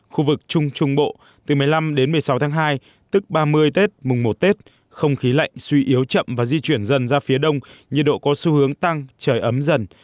khu vực trung trung bộ từ một mươi năm đến một mươi sáu tháng hai tức ba mươi tết mùng một tết không khí lạnh suy yếu chậm và di chuyển dần ra phía đông nhiệt độ có xu hướng tăng trời ấm dần